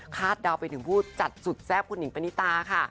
เดาไปถึงผู้จัดสุดแซ่บคุณหิงปณิตาค่ะ